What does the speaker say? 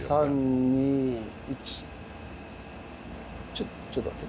ちょっちょっと待って。